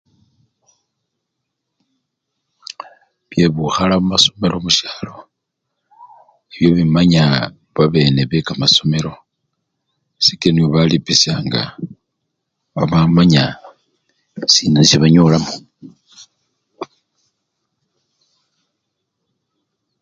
Byebukhala mumasomelo musyalo ebyo bimanya babene bekamasomelo sikila nibo balipisyanga babamanya Sina nisyo banyolamo ou!.